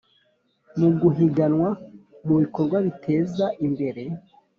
muguhiganwa mubikorwa biteza imbere